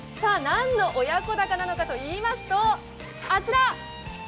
何の親子鷹なのかといいますと、あちら！